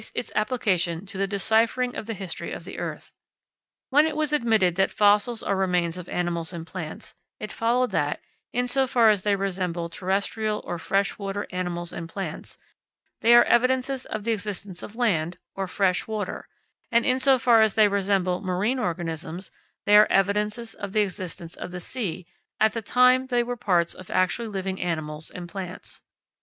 its application to the deciphering of the history of the earth. When it was admitted that fossils are remains of animals and plants, it followed that, in so far as they resemble terrestrial, or freshwater, animals and plants, they are evidences of the existence of land, or fresh water; and, in so far as they resemble marine organisms, they are evidences of the existence of the sea at the time at which they were parts of actually living animals and plants.